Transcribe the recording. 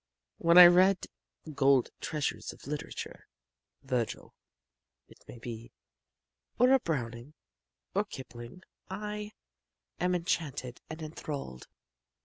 When I read gold treasures of literature Vergil, it may be, or a Browning, or Kipling I am enchanted and enthralled.